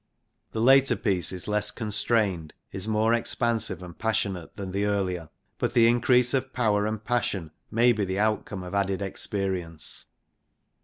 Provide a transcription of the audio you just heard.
The later piece is less constrained, is more expansive and passionate than the earlier. But the increase of power and passion may be the outcome of added experience.